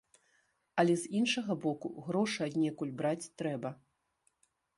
Але з іншага боку, грошы аднекуль браць трэба.